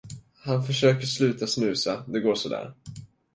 Han försöker sluta snusa, det går sådär.